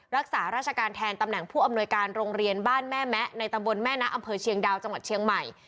รักษาราชการแทนตำแหน่งผู้อำนวยการโรงเรียนบ้านแม่แมะในตำบลแม่นะอำเภอเชียงดาวจังหวัดเชียงใหม่